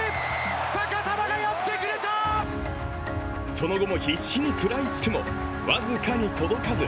その後も必死に食らいつくも、僅かに届かず。